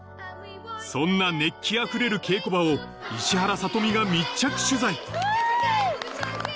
そんな熱気あふれる稽古場を石原さとみが密着取材フゥ！